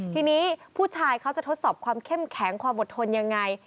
ทีนี้ผู้ชายเขาจะทดสอบความเข้มแข็งความอดทนยังไง